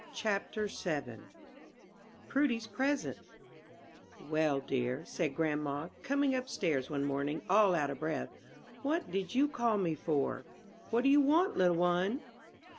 CHAPTER VII PRUDY'S PRESENT "Well, dear," said grandma, coming up stairs one morning, all out of breath, "what did you call me for? What do you want, little one?"